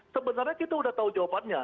sebenarnya kita udah tahu jawabannya